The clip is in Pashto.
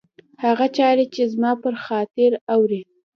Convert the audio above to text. هغه چاري چي زما پر خاطر اوري